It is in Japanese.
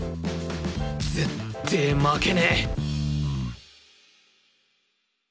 ぜって負けねぇ！